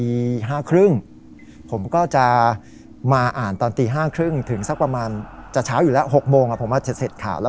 ๕๓๐ผมก็จะมาอ่านตอนตี๕๓๐ถึงสักประมาณจะเช้าอยู่แล้ว๖โมงผมอาจจะเสร็จข่าวแล้ว